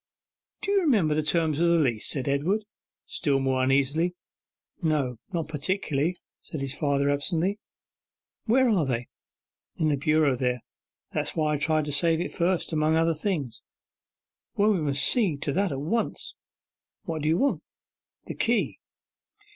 'Do you remember the terms of the leases?' said Edward, still more uneasily. 'No, not particularly,' said his father absently. 'Where are they?' 'In the bureau there; that's why I tried to save it first, among other things.' 'Well, we must see to that at once.' 'What do you want?' 'The key.